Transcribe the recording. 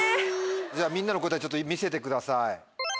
じゃあみんなの答えちょっと見せてください。